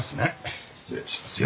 失礼しますよ。